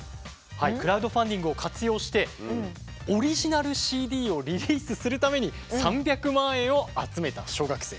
クラウドファンディングを活用してオリジナルＣＤをリリースするために３００万円を集めた小学生。